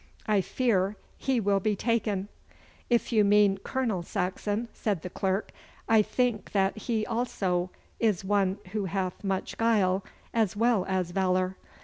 I fear he will be taken!' 'If you mean Colonel Saxon,' said the clerk, 'I think that he also is one who hath much guile as well as valour.